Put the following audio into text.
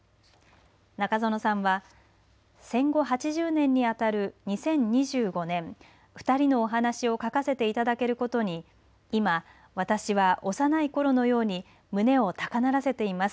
中園さんは戦後８０年に当たる２０２５年２人のお話を書かせていただけることに今、私は幼いころのように胸を高鳴らせています。